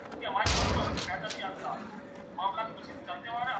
چلنے والوں کوعطیہ کرنے کے لیے ہوتی ہے